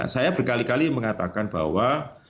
saya berkali kali mengatakan bahwa